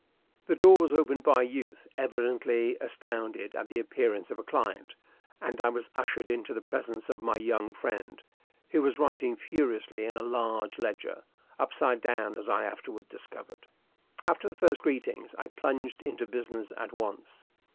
The door was opened by a youth evidently astounded at the appearance of a client, and I was ushered into the presence of my young friend, who was writing furiously in a large ledger upside down, as I afterward discovered. After the first greetings, I plunged into business at once.